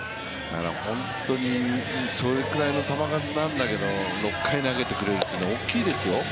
本当にそのぐらいの球数なんだけど６回を投げてくれるというのは大きいですよ。